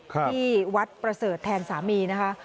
ที่วัดประเสริฐแทนสามีนะคะ